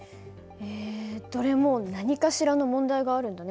えどれも何かしらの問題があるんだね。